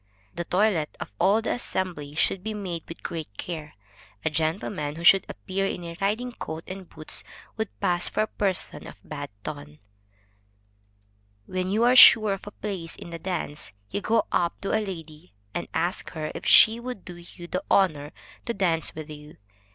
The toilet of all the assembly should be made with great care. A gentleman who should appear in a riding coat and boots, would pass for a person of bad ton. When you are sure of a place in the dance, you go up to a lady, and ask her if she will do you the honor to dance with you.